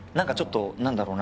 何だろうな。